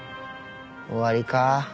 終わりか。